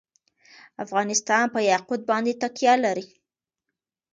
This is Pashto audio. افغانستان په یاقوت باندې تکیه لري.